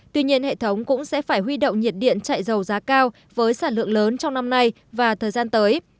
tuy nhiên hệ thống cũng sẽ phải huy động nhiệt điện chạy dầu giá cao với sản lượng lớn trong năm nay và thời gian tới